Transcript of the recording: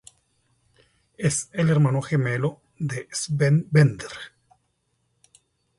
Es el hermano gemelo de Sven Bender.